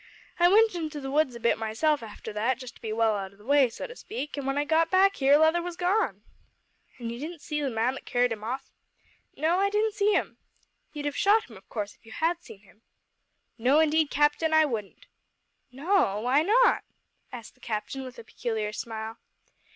I went into the woods a bit myself after that, just to be well out o' the way, so to speak, an' when I got back here Leather was gone!" "And you didn't see the man that carried him off?" "No, I didn't see him." "You'd have shot him, of course, if you had seen him?" "No, indeed, captain, I wouldn't." "No! why not?" asked the captain with a peculiar smile.